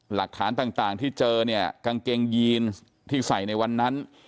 หลักฐานต่างที่เจอเนี่ยกางเกงยีนที่ใส่ในวันนั้น